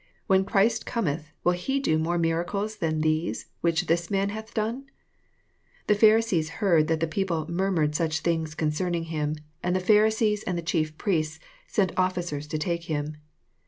When Christ Cometh, will he do more mira cles than these which this man hath done? 32 IT The Pharisees heard that the people murmured such things concern ing him ; and the Pharisees and the chief priests sent officers to take him.